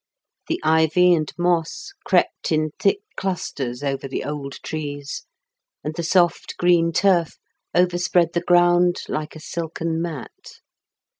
The ivy and moss crept in thick clusters over the old trees, and the soft green turf over spread the ground like a silken mat.